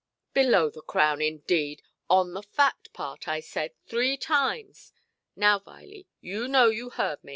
"Below the crown, indeed! On the fat part, I said three times. Now, Viley, you know you heard me".